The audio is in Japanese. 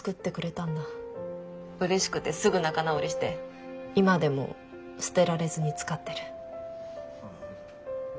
うれしくてすぐ仲直りして今でも捨てられずに使ってる。